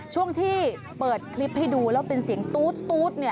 ช่วงที่เปิดคลิปให้ดูแล้วเป็นเสียงตู๊ด